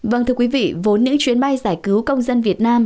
vâng thưa quý vị vốn những chuyến bay giải cứu công dân việt nam